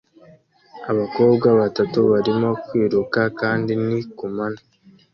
Abakobwa batatu barimo kwiruka kandi ni ku manywa